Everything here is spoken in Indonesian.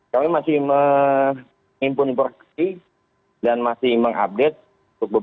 kami masih mengimpul informasi dan masih mengupdate